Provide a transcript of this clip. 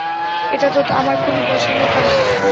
এটা তো আমার খুবই পছন্দের খাবার।